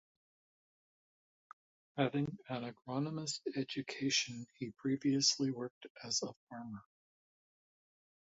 Having an agronomist education, he previously worked as a farmer.